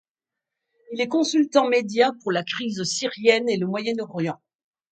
Il est consultant médias pour la crise syrienne et le moyen-orient.